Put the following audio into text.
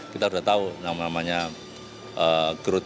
kita sudah tahu namanya growth dari perjalanan